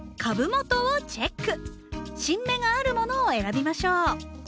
新芽があるものを選びましょう。